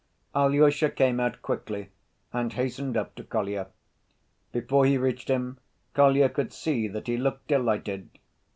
Alyosha came out quickly and hastened up to Kolya. Before he reached him, Kolya could see that he looked delighted.